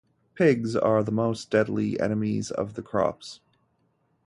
Pigs are the most deadly enemies of the crops.